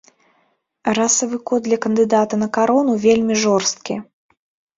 Расавы код для кандыдата на карону вельмі жорсткі.